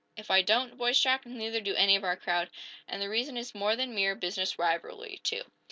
"If I don't," voiced Jack, "neither do any of our crowd. And the reason is more than mere business rivalry, too."